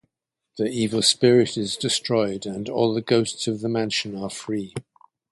The evil spirit is destroyed and all the ghosts of the mansion are free.